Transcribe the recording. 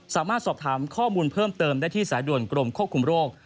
สามารถสอบถามข้อมูลเพิ่มเติมได้ที่สายด่วนกรมควบคุมโรค